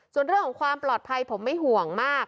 ส่วนเรื่องของความปลอดภัยผมไม่ห่วงมาก